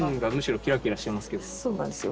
そうなんですよ。